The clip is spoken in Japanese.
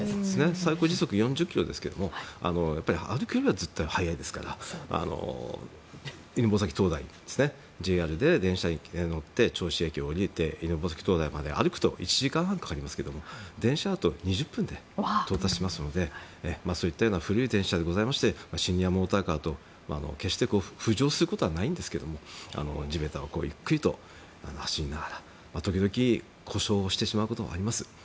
最高時速４０キロですけども歩くよりは絶対速いですから犬吠埼灯台、ＪＲに乗って銚子駅を降りて犬吠埼灯台まで歩くと１時間半かかりますけど電車だと２０分で到達しますのでそういったような古い電車でございましてシニアモーターカーと決して浮上することはないんですけども地べたをゆっくりと走りながら時々、故障をしてしまうこともあります。